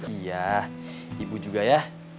iya ibu juga ya